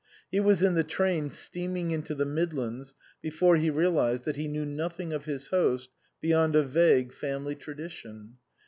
He was in the train steam ing into the Midlands before he realized that he knew nothing of his host beyond a vague family tradition.